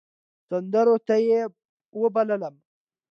سندرو ته يې وبللم .